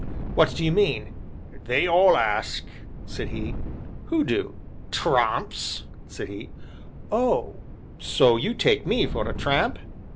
"What do you mean?" "They all ask!" said he. "Who do?" "Tramps!" said he. "Oh! so you take me for a tramp?"